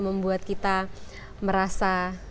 membuat kita merasa